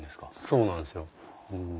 そうなんですよ。